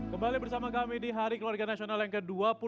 kembali bersama kami di hari keluarga nasional yang ke dua puluh dua